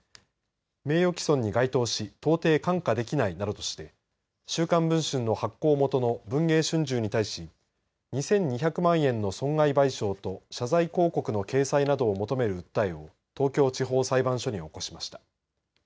名誉毀損に該当し到底看過できないなどとして週刊文春の発行元の文藝春秋に対し２２００万円の損害賠償と謝罪広告の掲載などを求める訴えを東京地方裁判所に起こしました。